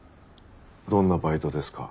「どんなバイトですか？」。